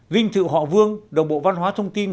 vinh thự họ vương đồng bộ văn hóa thông tin